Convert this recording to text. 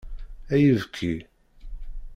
Ay ibekki!